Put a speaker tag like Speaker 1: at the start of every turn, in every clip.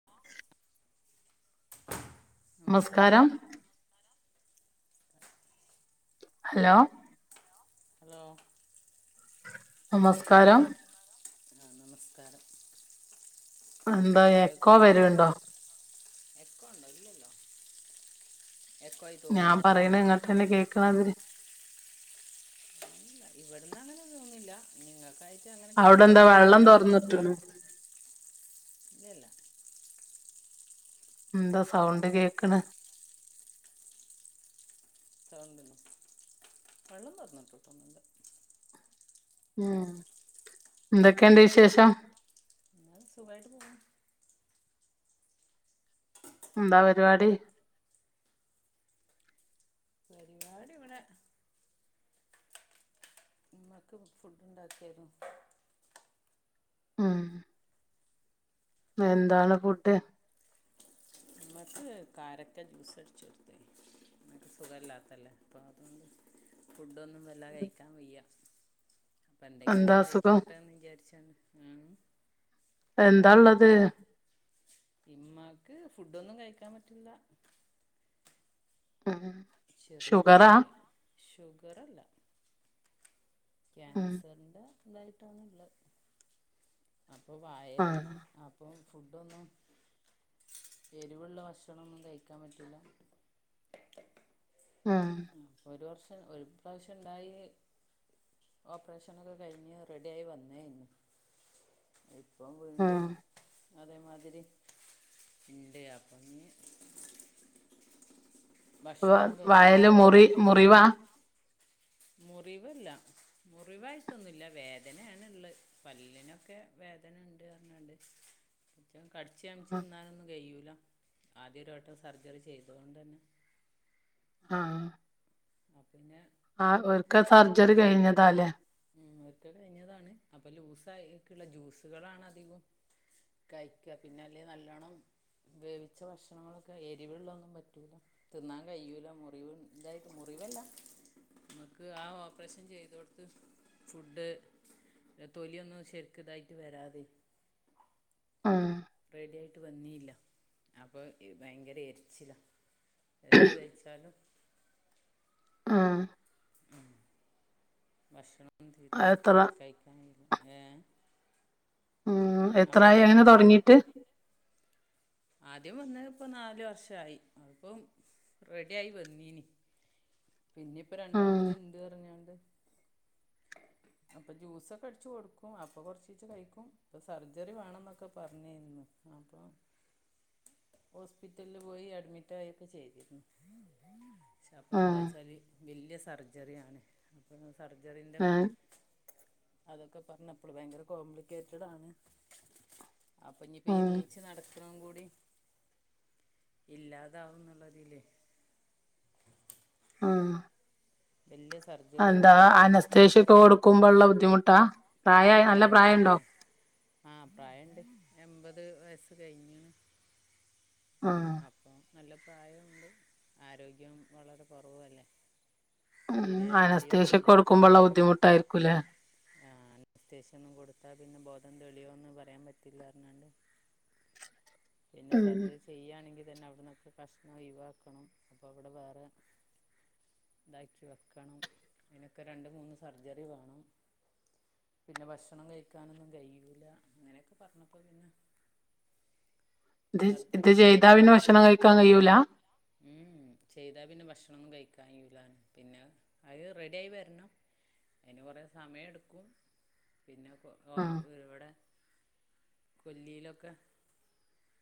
Speaker 1: [unintelligible] നമസ്കാരം [unintelligible]
Speaker 2: hello
Speaker 1: hello
Speaker 2: നമസ്കാരം
Speaker 1: ആഹ് നമസ്കാരം
Speaker 2: എന്താ എക്കോ
Speaker 1: കേൾക്കുന്നുണ്ടോ
Speaker 2: വരുണ്ടോ
Speaker 1: എക്കോണ്ടോ ഇല്ലല്ലോ എക്കോ ആയി
Speaker 2: ഞാൻ
Speaker 1: തോന്നുന്നുണ്ടോ
Speaker 2: പറയണ ഇങ്ങട്ടന്നെ കേക്കണാതിരി
Speaker 1: ഇവിടന്ന് അങ്ങനെ തോന്നില്ല നിങ്ങൾക്കായിട്ട് അങ്ങനെ കേൾക്കണ്ടോ അറിയില്ല
Speaker 2: തൊറന്ന്ട്ടണ്
Speaker 1: ഇല്ലല്ലാ
Speaker 2: എന്താ സൗണ്ട് കേക്ക്ണ്
Speaker 1: സൗണ്ടിനോ വെള്ളം തുറന്നിട്ടൊന്നില്ലാ
Speaker 2: ഉം എന്തൊക്കെണ്ട് വിശേഷം
Speaker 1: ആഹ് സുഖായിട്ട് പോണു
Speaker 2: എന്താ പരിപാടി
Speaker 1: പരിപാടി ഇവിടെ മ്മക്ക് ഫുഡ് ഉണ്ടാക്കലും
Speaker 2: ഉം എന്താണ് ഫുഡ്
Speaker 1: മ്മക്ക് കാരക്ക ജ്യൂസ് അടിച്ച് കൊടത്തേനി മ്മക്ക് സുഖല്ലാത്തല്ലേ അപ്പോ അതുകൊണ്ട് ഫുഡൊന്നും വല്ലാ കയിക്കാൻ വയ്യ
Speaker 2: എന്താ
Speaker 1: അപ്പന്തെങ്കിലൊന്ന്
Speaker 2: അസുഖം
Speaker 1: കഴിച്ചോട്ടെന്ന് വിചാരിച്ചാണ് ഉം
Speaker 2: എന്താള്ളത്
Speaker 1: ഇമ്മാക്ക് ഫുഡൊന്നും കഴിക്കാ പറ്റുല
Speaker 2: ആഹ്
Speaker 1: ചെറിയ രോഗ്യ ഷുഗറല്ല
Speaker 2: ഉം
Speaker 1: ക്യാൻസറിന്റെ ഇതായിട്ടാണള്ള അപ്പൊ
Speaker 2: ആ
Speaker 1: വായലാണ് അ അപ്പൊ ഫുഡൊന്നും എരിവുള്ള ഭക്ഷണൊന്നും കയ്ക്കാൻ പറ്റുല
Speaker 2: ഉം
Speaker 1: ഒരു വർഷം ഒരു പ്രാശ്യം ഒണ്ടായെല് ഓപ്പറേഷനൊക്കെ കയിഞ്ഞ് റെഡിയായി വന്നേരുന്നു ഇപ്പോ വീണ്ടും
Speaker 2: ഉം
Speaker 1: അതേമാതിരി ഇണ്ട് അപ്പൊനി
Speaker 2: വ
Speaker 1: ഭക്ഷണമൊന്നും കഴിക്കാൻ
Speaker 2: വായെല്
Speaker 1: പറ്റില്ല ഒക്കെ
Speaker 2: മുറി മുറിവാ
Speaker 1: മുറിവല്ല മുറിവായിട്ടൊന്നുല്ല വേദനയാണ് ഇള്ളേ പല്ലിനൊക്കെ വേദനുണ്ട് പറഞ്ഞണ്ട് കടിച്ച്മിച്ച്
Speaker 2: ഉം,
Speaker 1: തിന്നാനൊന്നും കൈയ്യൂല ആദ്യ ഒരുവട്ടം സർജറി ചെയ്തോണ്ട് തന്നെ
Speaker 2: ആഹ്
Speaker 1: അപിന്നെ
Speaker 2: ആഹ് ഒരിക്കെ സർജറി കഴിഞ്ഞതാല്ലേ
Speaker 1: ഉം ഒരിക്ക കയിഞ്ഞതാണ് അപ്പ ലൂസായിക്കളാ ജ്യൂസുകളാണ് അധികോ കയിക്ക പിന്നെ അല്ലേ നല്ലോണ്ണം വേവിച്ച ഭക്ഷണങ്ങളൊക്കെ എരിവള്ളൊന്നും പറ്റൂല തിന്നാൻ കഴിയൂല മുറിവു ഇതായിട്ട് മുറിവല്ല ഇങ്ങക്ക് ആ ഓപ്പറേഷൻ ചെയ്തോട്ത്ത് ഫുഡ് തൊലിയൊന്നും ശരിക്കിതായിട്ട് വരാതെ
Speaker 2: ആഹ്
Speaker 1: റെഡിയായിട്ട് വന്നില്ല അപ്പ ഭയങ്കര എരിച്ചില എന്ത് കഴിച്ചാലും
Speaker 2: ആഹ്
Speaker 1: മ്മ് ഭക്ഷണം തീരെ
Speaker 2: എത്ര
Speaker 1: കഴിക്കാൻ [unintelligible]
Speaker 2: ഉം എത്രായി
Speaker 1: അപ്പൊക്കെ
Speaker 2: അങ്ങനെ
Speaker 1: ജ്യൂസാ
Speaker 2: തൊടങ്ങീട്ട്
Speaker 1: ആദ്യം വന്നത് ഇപ്പം നാല് വർഷായി അതിപ്പം റെഡി ആയി വന്നീനി പിന്നിപ്പ
Speaker 2: ഉം
Speaker 1: രണ്ടാമത് ഇണ്ട് പറഞ്ഞോണ്ട് അപ്പ ജ്യൂസൊക്കെ അടിച്ചു കൊടുക്കും അപ്പൊ കൊറച്ചീച്ച കഴിക്കും ഇപ്പ സർജറി വേണന്നൊക്കെ പറഞീന്നു അപ്പോ ഹോസ്പിറ്റലില് പോയി അഡ്മിറ്റായൊക്കെ ചെയ്തിരുന്നു പക്ഷെ അപ്പെന്താ
Speaker 2: ഉം
Speaker 1: വെച്ചാല് വല്യ സർജറിയാണ് അപ്പം സർജറിന്റെ
Speaker 2: ഏ
Speaker 1: അതൊക്കെ പറഞ്ഞപ്പള് ഭയങ്കര കോംപ്ലിക്കേറ്റഡാണ് അപ്പഞ്ഞിപ്പ ഈ
Speaker 2: ഉം
Speaker 1: നീച്ച് നട [unintelligible] കൂടി ഇല്ലാതാവുന്നുള്ളതിലെ
Speaker 2: ഉം
Speaker 1: വല്യ സർ
Speaker 2: എന്താ അനസ്തേഷ്യയൊക്കെ കൊടുക്കുമ്പള്ള ബുദ്ധിമുട്ടാ പ്രായായ നല്ല പ്രായണ്ടോ
Speaker 1: ആഹ് പ്രായണ്ട് എൺപത് വയസ്സ് കഴിഞ്ണ്
Speaker 2: ഉം
Speaker 1: അപ്പം നല്ല പ്രായണ്ട് ആരോഗ്യം വളരെ കൊറവല്ലേ
Speaker 2: മ്മ് അനസ്തേഷ്യക്ക് കൊടുക്കുമ്പള്ള ബുദ്ധിമുട്ടായിരിക്കുല്ലേ
Speaker 1: ആഹ് അനസ്തേഷ്യയൊന്നും കൊടുത്താ പിന്നെ ബോധം തെളിയോന്ന് പറയാൻ പറ്റില്ലാർഞ്ഞാണ്ട് പിന്നെ
Speaker 2: ഉം
Speaker 1: സർജറി ചെയ്യാണെങ്കി തന്നെ അവിടുന്നൊക്കെ കഷ്ണം ഒയിവാക്കണം അപ്പവിടെ വേറെ ഇതാക്കി വെക്കണം അതിനൊക്കെ രണ്ട് മൂന്ന് സർജറി വേണം പിന്നെ ഭക്ഷണം കഴിക്കാനൊന്നും കൈയ്യൂല അങ്ങനെയൊക്കെ പറഞ്ഞപ്പ പിന്നെ
Speaker 2: ഇത് ഇത്
Speaker 1: സർജറി ഒന്നും
Speaker 2: ചെയ്ത പിന്നെ ഭക്ഷണം കയിക്കാൻ കഴിയ്യൂല
Speaker 1: ഊം ഉം ചെയ്താ പിന്നെ ഭക്ഷണൊന്നും കഴിക്കാൻ കഴിയൂല പിന്നെ അഹ് റെഡി ആയി വരണം അയിന് കുറേ സമയെടുക്കും പിന്നെ കൊ
Speaker 2: ഉം
Speaker 1: ആഹ് ഇവിടെ കൊല്ലിയിലൊക്കെ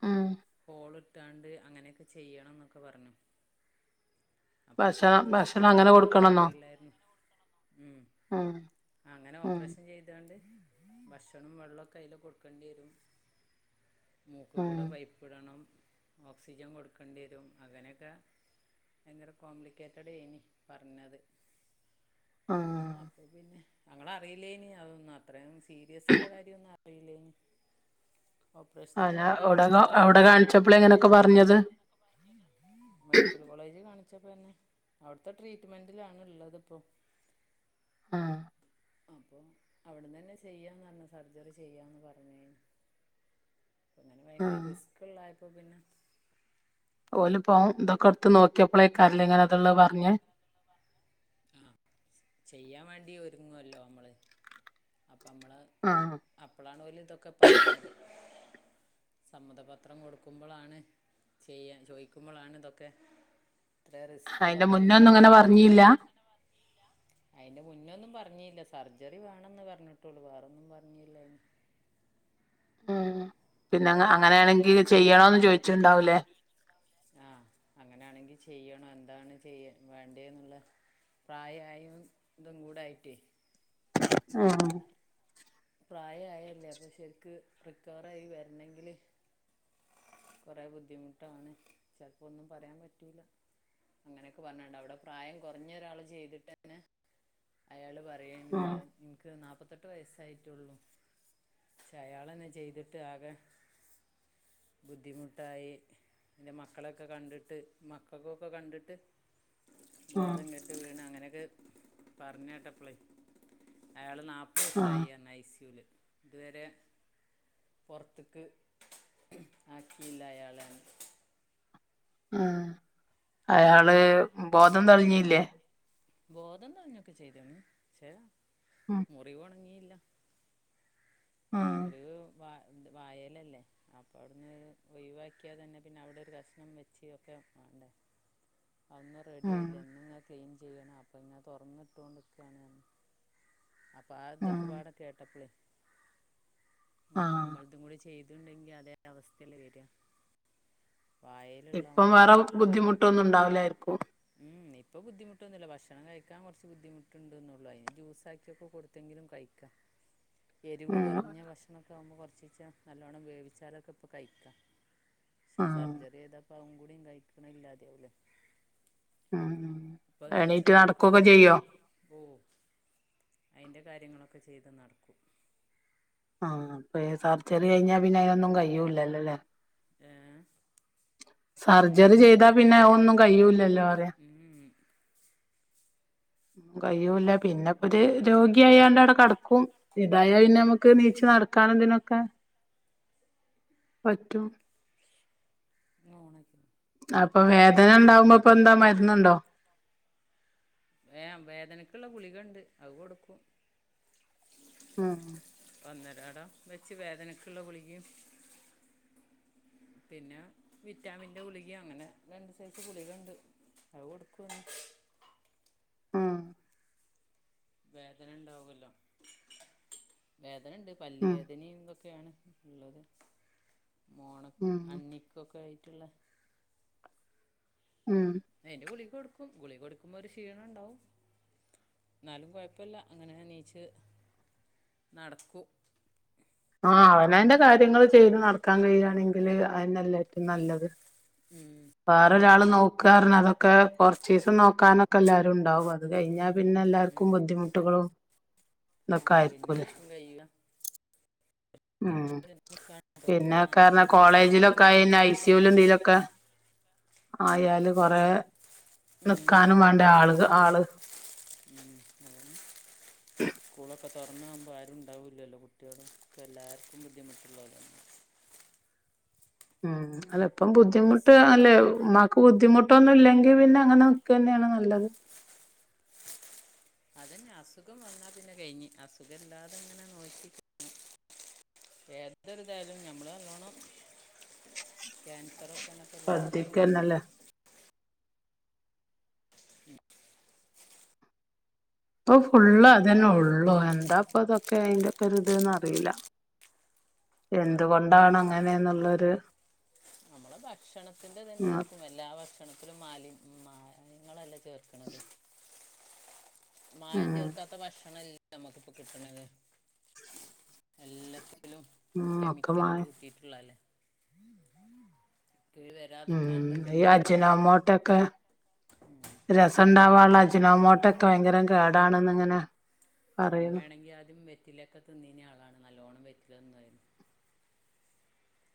Speaker 2: ഉം
Speaker 1: ഹോളിട്ടാണ്ട് അങ്ങനെയൊക്കെ ചെയ്യണം എന്നൊക്കെ പറഞ്ഞു അപ്പൊ അത്ര
Speaker 2: ഭക്ഷണം
Speaker 1: റിസ്ക്
Speaker 2: ഭക്ഷണം
Speaker 1: ഉള്ള
Speaker 2: അങ്ങനെ
Speaker 1: ഒന്നും
Speaker 2: കൊടുക്കണെന്നോ
Speaker 1: ഞങ്ങളറിയില്ലായിരുന്നു ഉം
Speaker 2: ആഹ്
Speaker 1: അങ്ങനെ ഓപ്പറേഷൻ ചെയ്താണ്ട് ഭക്ഷണം, വെള്ളക്കെ അയ്ൽ കൊടുക്കേണ്ടി വരും
Speaker 2: [inaudible]
Speaker 1: മൂക്ക്
Speaker 2: ഉം
Speaker 1: കൂടെ പൈപ്പ്ടണം ഓക്സിജൻ കൊടുക്കേണ്ടി വരും അങ്ങനെയൊക്കെ ഭയങ്കര കോംപ്ലിക്കേറ്റടയ്നിം പറഞ്ഞത്
Speaker 2: ആഹ്
Speaker 1: അപ്പൊ പിന്നെ ഞങ്ങളറിയില്ലേന് അതൊന്നും അത്രയും സീരിയസള്ള കാര്യന്നും അറിയില്ലേനിം
Speaker 2: അല്ല എവിടെ
Speaker 1: അഡ്മിറ്റ്
Speaker 2: എവിടെ
Speaker 1: ആക്കിയപ്പോഴാണ്
Speaker 2: കാണിച്ചപ്പള ഇങ്ങനെയൊക്കെ പറഞ്ഞത്
Speaker 1: മെഡിക്കൽ കോളേജ് കാണിച്ചപ്പോന്നെ അവിടുത്തെ ട്രീറ്റ്മെന്റിലാണ്ള്ളത്പ്പോ
Speaker 2: ആഹ്
Speaker 1: അപ്പം അവിടന്ന്ന്നെ ചെയ്യാന്ന് പറഞ് സർജറി ചെയ്യാന്ന് പറഞ് അങ്ങനെ ഭയങ്കര
Speaker 2: ഉം
Speaker 1: റിസ്ക്ള്ളായപ്പോ പിന്നെ
Speaker 2: ഓലിപ്പോ ഇതൊക്കെ എടുത്ത് നോക്കിയപ്പോളേക്കല്ല് ഇങ്ങനെതുള്ളത് പറഞ്ഞെ
Speaker 1: ആ ചെയ്യാൻ വേണ്ടി ഒരുങ്ങുവല്ലോ നമ്മള് അപ്പംമ്മള്
Speaker 2: ആഹ്
Speaker 1: അപ്പോളാണ് ഓല് ഇതൊക്കെ പറയുന്നത് സമ്മതപത്രം കൊടുക്കുമ്പോളാണ് ചെയ്യ ചോയിക്കുമ്പോളാണ് ഇതൊക്കെ ഇത്ര റിസ്ക്ള്ളൊക്കെ ഓല് പറയണത്
Speaker 2: ഇല്ല
Speaker 1: അയിൻ്റെ മുന്നൊന്നും പറഞ്ഞില്ല സർജറി വേണന്ന് പറഞ്ഞിട്ടുള്ളൂ വേറൊന്നും പറഞ്ഞില്ല അയിന്
Speaker 2: പിന്നെ
Speaker 1: അപ്പൊ
Speaker 2: അങ്ങ
Speaker 1: എല്ലാത്തിനും ഒരുങ്ങി
Speaker 2: അങ്ങനെയാണെങ്കിൽ
Speaker 1: പോവും
Speaker 2: ചെയ്യണോന്ന് ചോയിച്ചിണ്ടാവൂലേ
Speaker 1: ആഹ് അങ്ങനെയാണെങ്കി ചെയ്യണം എന്താണ് ചെയ്യ വേണ്ടേെന്നുള്ള പ്രായായും ഇതും കൂടായിട്ട്
Speaker 2: ആഹ്
Speaker 1: പ്രായയില്ലേ അപ്പൊ ശരിക്ക് റിക്കവറായി വരണങ്കില് കുറെ ബുദ്ധിമുട്ടാണ് ചിലപ്പോന്നും പറയാൻ പറ്റൂല അങ്ങനെയൊക്കെ പറഞ്ഞിട്ടണ്ട് അവിടെ പ്രായം കുറഞ്ഞൊരാള് ചെയ്തിട്ട് അയാള് പറയണ്ട്
Speaker 2: ആഹ്
Speaker 1: നിനിക്ക് നാപ്പത്തെട്ട് ട്ട് വയസായിട്ടുള്ളു പക്ഷെ അയാളന്നെ ചെയ്തിട്ട് ആകെ ബുദ്ധിമുട്ടായി ൻ്റെ മക്കളെയൊക്കെ കണ്ടിട്ട് മക്കക്കൊക്കെ കണ്ടിട്ട്
Speaker 2: ആഹ്
Speaker 1: ബോധം കെട്ട് വീണ് അങ്ങനെയൊക്കെ പറഞ്ഞേ കേട്ടപ്പളേ അയാള്
Speaker 2: ആഹ്
Speaker 1: നാപ്പസായിയാണ് ഐ സി യുൽ ഇതുവരെ പൊർത്ത്ക്ക് ആക്കിയില്ല അയാളെന്ന്
Speaker 2: ഉം അയാള്
Speaker 1: അത്രയും
Speaker 2: ബോധം തെളിഞ്ഞില്ലേ
Speaker 1: ബോധം തെളിഞ്ഞൊക്കെ ചെയ്തന് പക്ഷേ
Speaker 2: ഉം
Speaker 1: മുറിവുണങ്ങിയില്ല
Speaker 2: ഉം
Speaker 1: മുറിവ് വ വായലല്ലേ അപ്പോ അവിടുന്ന് ഒഴിവാക്കിയാ തന്നെ പിന്നെ അവിടെ ഒരു പ്രശ്നം വെച്ച് ഒക്കെ വേണ്ടേ അതന്നും
Speaker 2: ഉം
Speaker 1: റെഡിയയില്ല എന്നും ഞാൻ ക്ലീൻ ചെയ്യണം അപ്പോ ഞാൻ തുറന്നിട്ടുകൊണ്ടിരിക്കുകയാണ് ഞാൻ അപ്പൊ ആ ഇതൊക്കെ
Speaker 2: ഉം
Speaker 1: വേണ കേട്ടപ്പളെ ഇനിപ്പോ
Speaker 2: ആഹ്
Speaker 1: നമ്മളതും കൂടി ചെയ്തുണ്ടെങ്കിൽ അതേ അവസ്ഥല്ലെ വരിയ വായല്
Speaker 2: ഇപ്പം വേറെ ബുദ്ധിമുട്ടൊന്നും ഉണ്ടാവില്ലായിരിക്കും
Speaker 1: ഉം ഇപ്പ ബുദ്ധിമുട്ടൊന്നുല്ല ഭക്ഷണം കഴിക്കാൻ കുറച്ച് ബുദ്ധിമുട്ടണ്ടന്നള്ളു അയിന് ജൂസാക്കിയൊക്കെ കൊടുത് എറ്റെങ്കിലും കഴിക്കുക.
Speaker 2: [inaudible]
Speaker 1: എരിവ് കുറഞ്ഞ ഭക്ഷണംമൊക്കെ ആവുമ്പോൾ കുറച്ചീച്ച നല്ലവണ്ണം വേവിച്ചാലൊക്കെ ഇപ്പൾ കഴിക്കാം. പക്ഷെ
Speaker 2: ഉം
Speaker 1: സർജറി ചെയ്തപ്പ അവും കൂടിയും കഴിക്കണില്ല അതേപലെ.
Speaker 2: ഉം.
Speaker 1: അപ്പൊ നീച്ച
Speaker 2: എണീറ്റ് നടക്കൊക്കെ
Speaker 1: നടക്കുകൊക്കെ
Speaker 2: ചെയ്യോ
Speaker 1: ചെയ്യും. ഓ അതിൻ്റെ കാര്യങ്ങളൊക്കെ ചെയ്ത് നടക്കും.
Speaker 2: ആഹ അപ്പ സർജറി കഴിഞ്ഞാ പിന്നെ അതിനൊന്നും കഴിയുല്ലല്ലോല്ലേ.
Speaker 1: ഏ.
Speaker 2: സർജറി ചെയ്താ പിന്നെ ഒന്നും കഴിയുല്ലല്ലോ അറ.
Speaker 1: മും
Speaker 2: കഴ്യൂല്ല പിന്നെപ്പത്
Speaker 1: ആ
Speaker 2: രോഗി യാണ്ട് അവിടെ കടക്കും ഇതാ യാ പിന്നെ നമുക്ക് നീച്ച നടക്കാന എന്തിനുമൊക്കെ പറ്റും
Speaker 1: നിങ്ങൾ ഓണാക്കിന
Speaker 2: അപ്പൊ വേദന ഉണ്ടാവുമ്പോ ഇപ്പൊ എന്താ മരുന്നുണ്ടോ
Speaker 1: ഏ വേദനക്കുള്ള ഗുളികുണ്ട് അത് കൊടുക്കും
Speaker 2: ആഹ്
Speaker 1: ഒന്നരാടം വെച്ച് വേദനക്കുള്ള ഗുളികയും പിന്നെ വിറ്റാമിന്റെ ഗുളിക അങ്ങനെ രണ്ട് സൈസ് ഗുളികണ്ട് അത് കൊടുക്കും
Speaker 2: ഉം
Speaker 1: വേദന ഉണ്ടാവല്ലോ വേദന ഉണ്ട് പല്ല
Speaker 2: ഉം
Speaker 1: വേദനയും ഇതൊക്കെയാണ് ഉള്ളത് മോണക്കും
Speaker 2: ഉം
Speaker 1: അന്ക്കൊക്കെ ആയിട്ടുള്ള
Speaker 2: ഉം.
Speaker 1: അയിന്റെ ഗുളി കൊടുക്കും ഗുളി കൊടുക്കുമ്പോ ഒരു ക്ഷീണം ഉണ്ടാവും എന്നാലും കുഴപ്പമില്ല അങ്ങനെ നീച്ച് നടക്കും
Speaker 2: ആഹ് അവന അന്റെ കാര്യങ്ങൾ ചെയ്തു നടക്കാൻ കഴിയയാണെങ്കില് അയില്ല ഏറ്റും നല്ലത്
Speaker 1: ഉം
Speaker 2: വേറൊരാൾ നോക്കാ പർഞ്ഞ അതൊക്കെ കൊറച്ച ദിവസം നോക്കാനൊക്കെ എല്ലാരും ഉണ്ടാവും അത് അത് കഴിഞ്ഞാ പിന്നെ എല്ലാർക്കും ബുദ്ധിമുട്ടുകളും ഇതൊക്കെ
Speaker 1: ആഹ് പിന്നെ
Speaker 2: ആയിരിക്കൂല്ലേ
Speaker 1: ആർക്കും കഴിയു ല
Speaker 2: ഉം
Speaker 1: ഒരു
Speaker 2: പിന്നെ
Speaker 1: മാസം
Speaker 2: കാരണം
Speaker 1: ഒന്നര
Speaker 2: കോളേജിലൊക്കെ
Speaker 1: മാസമൊക്കെ
Speaker 2: ആ ഐ സുൽ എന്തലൊക്കെ ആയാലുംകൊറെ
Speaker 1: ഉം,
Speaker 2: നിക്കാനും വേണ്ട ആള് ആള്
Speaker 1: ഉം അതന്നെ സ്കൂളൊക്കെ തുറന്നാകുമ്പോൾ ആരും ഉണ്ടാവില്ലല്ലോ കുട്ടികള്ക്കെ എല്ലാവർക്കും ബുദ്ധിമുട്ടുള്ളല്ല
Speaker 2: ഉം അല്ല ഇപ്പം ബുദ്ധിമുട്ട്
Speaker 1: അസുഖം
Speaker 2: അല്ലെ ഉമമാക്ക് ബുദ്ധിമുട്ടൊന്നും ഇല്ലെങ്കിൽ
Speaker 1: ഉം.
Speaker 2: പിന്നെ അങ്ങനെ തന്നെയാണ് നല്ലത്
Speaker 1: അതന്നെ അസുഖം വന്നാൽ പിന്നെ കഴിഞ്ഞ് അസുഖമ ഇല്ലാതെങ്ങനെ നോക്കി ഏതൊരിതായാലും നഞമ്മൾ നല്ലോണം ക്യാൻസറൊക്കെ എല്ലായിടത്തും
Speaker 2: ശ്രദ്ധിക്കന്നല്ലേ ഇപ്പൊ ഫുള്ള് അത് നെ ഉള്ളൂ എന്താ ഇപ്പൊ ഇതൊക്കെ അയിന്റെ ഒക്കെ ഇത് ന്ന് അറിയില്ല എന്തുകൊ
Speaker 1: അതെന്നെ ഓരോ നമ്മള ഭക്ഷണത്തിന്റെ തന്നെ
Speaker 2: ഉം
Speaker 1: ആയിരിക്കും എല്ലാ ഭക്ഷണത്തിലും മാലിം മായങ്ങളല്ലേ ചേർക്കണത് മായം ചേർക്കാത്ത ഭക്ഷണംല്ല നമ്മുക്കിപ്പോ കിട്ടണത് എല്ലാ ത്തിലും
Speaker 2: ഉം ഒക്കെ
Speaker 1: കെമിക്കൽ
Speaker 2: മാറി
Speaker 1: കൂട്ടിട്ടല്ല അല്ലെ കേട് വരാ
Speaker 2: ഉം ഈയാഴ്ചയിൽ നമോട്ടക്ക രസം ഉണ്ടാവാനുള്ള അജിനോമോട്ടൊക്കെ ഭയങ്കരം കേടാണെന്ന് ഇങ്ങനെ പറയുന്നു
Speaker 1: എങ്കി ആദ്യം വരും വറ്റിലൊക്കെ തിന്നിയതിന ആളാണ് നല്ലോണം വറ്റില്ലതെന്ന് പറയുന്നത്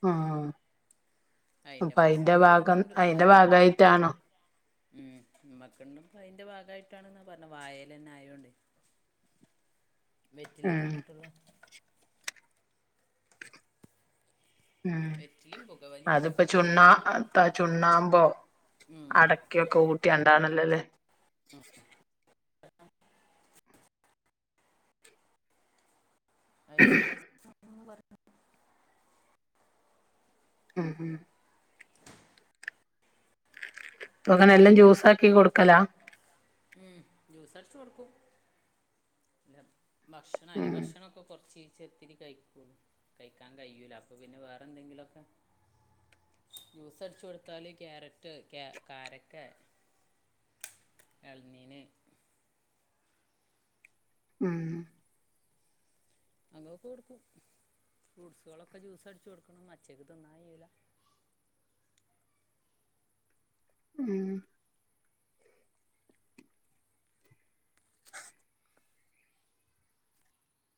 Speaker 2: ഉ
Speaker 1: അതിൻ്റെ
Speaker 2: അപ്പൊ അതിന്റെ
Speaker 1: പ്രശ്നം
Speaker 2: ഭാഗം
Speaker 1: തോന്നുന്നുണ്ട്
Speaker 2: അതിന്റെ ഭാഗമായിട്ടാണോ
Speaker 1: ഉം ഉമ്മക്കണ്ടും അതിന്റെ ഭാഗമായിട്ടാണ്ന്നാ പറഞ്ഞ വായൽ തന്നെ ആയതോണ്ട് വെറ്റില്ല
Speaker 2: ഉം
Speaker 1: തിന്നിട്ടുള്ള
Speaker 2: ഉം
Speaker 1: വെറ്റിലും പുകവലിയും ഒക്കെ
Speaker 2: അത്പ്പോ ചുണ്ണാ
Speaker 1: കേടല്ലേ
Speaker 2: ചുണ്ണാമ്പോ
Speaker 1: ഉം.
Speaker 2: അട [unintelligible]
Speaker 1: അയിന്റെ പ്രസ്
Speaker 2: ഉം ഉം പ്പോക്കന എല്ലാം ജ്യൂസ് ആക്കി കൊടുക്കലാ
Speaker 1: ഉം ജ്യൂസ് അടച്ച് കൊടുക്കും. പിന്ന ഭക്ഷണം അരി
Speaker 2: ഉം
Speaker 1: ഭക്ഷണംമൊക്കെ കുറച്ച് ചത്തിരി കയ്ക്കും കഴിക്കാൻ കയൂല അപ്പൊ പിന്നെ വേറെ എന്തെങ്കിലുംക്കെ ജ്യൂസ്ടിച്ച് കൊടുത്താല് ക്യാരറ്റ് ക്യാ കാരക്കേ എൾനീന്
Speaker 2: ഉം
Speaker 1: അങ്ങൊ കൊടുക്കും ഫ്രൂട്ട്സുകളൊക്കെ ജ്യൂസ് അടിച്ച് കൊടുക്കണം അച്ചയ്ക്ക് തിന്നായ്യുല
Speaker 2: ഉം